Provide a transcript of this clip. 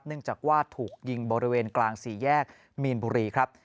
เนื่องจากว่าถูกยิงบริเวณกลางสี่แยกมีนบุรีครับ